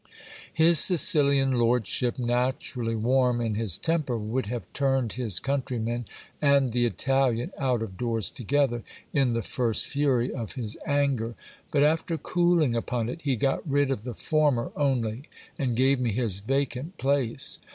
His Sicilian lordship, naturally warm in his temper, would have turned his countryman and the Italian out of doors together, in the first fury of his anger ; but after cooling upon it, he got rid of the former only, and gave me his vacant place.